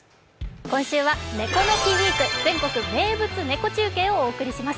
今週は「“猫の日”ウィーク全国名物ネコ中継」をお送りします。